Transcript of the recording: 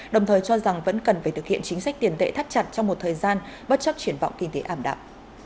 đồng thời cho rằng vẫn cần phải thực hiện chính sách tiền tệ thắt chặt trong một thời gian bất chấp triển vọng kinh tế ảm đạm